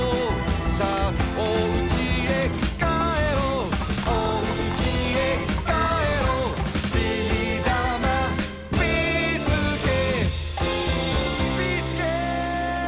「さあおうちへ帰ろう」「おうちへ帰ろう」「ビーだまビーすけ」